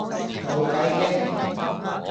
冇計傾